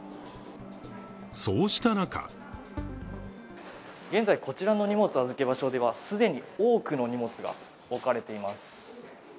そうした中現在こちらの荷物預け場所では、既に多くの荷物が置かれています。